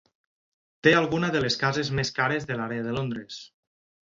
Té algunes de les cases més cares de l'àrea de Londres.